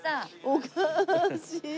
おかしい！